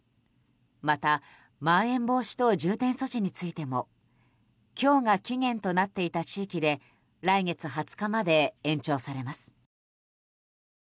またまん延防止等重点措置についても今日が期限となっていた地域で来月２０日まで延長されます。